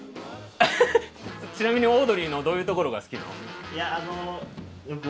ちなみにオードリーのどういうところが好きなの？